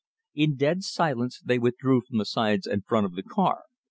In dead silence they withdrew from the sides and front of the car.